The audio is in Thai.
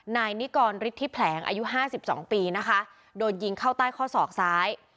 นายนิกรฤทธิแผลงอายุห้าสิบสองปีนะคะโดนยิงเข้าใต้ข้อศอกซ้าย